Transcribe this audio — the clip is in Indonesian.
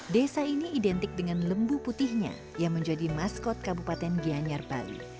desa ini identik dengan lembu putihnya yang menjadi maskot kabupaten gianyar bali